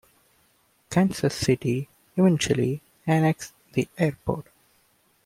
Kansas City eventually annexed the airport.